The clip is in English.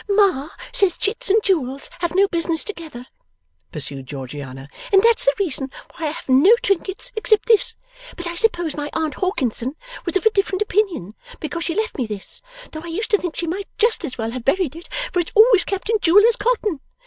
'Ma says chits and jewels have no business together,' pursued Georgiana, 'and that's the reason why I have no trinkets except this, but I suppose my aunt Hawkinson was of a different opinion, because she left me this, though I used to think she might just as well have buried it, for it's always kept in jewellers' cotton.